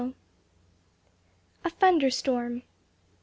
A THUNDER STORM.